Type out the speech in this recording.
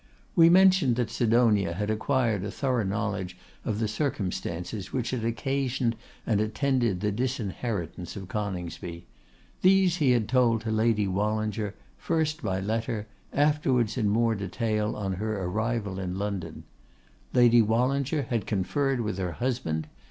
We mentioned that Sidonia had acquired a thorough knowledge of the circumstances which had occasioned and attended the disinheritance of Coningsby. These he had told to Lady Wallinger, first by letter, afterwards in more detail on her arrival in London. Lady Wallinger had conferred with her husband.